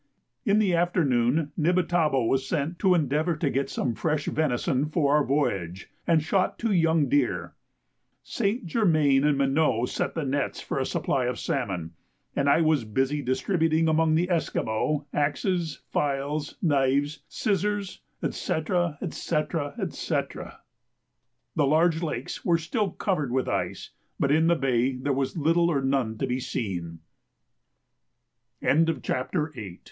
In the afternoon Nibitabo was sent to endeavour to get some fresh venison for our voyage, and shot two young deer; St. Germain and Mineau set the nets for a supply of salmon, and I was busy distributing among the Esquimaux axes, files, knives, scissors, &c. &c. &c. The large lakes were still covered with ice, but in the bay there was little or none to be seen. FOOTNOTE: Receipt. Seven lbs. flour, 1 oz. carbonate soda, ¾ oz.